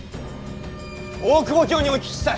大久保にお聞きしたい。